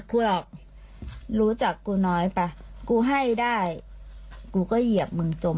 ครับ